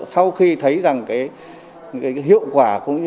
sau khi thấy rằng cái hiệu quả cũng như